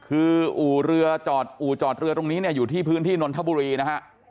อุละจอดเรือตรงนี้เนี่ยอยู่ที่พื้นที่นนทบุรีนะฮะ